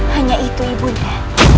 hanya itu ibu nda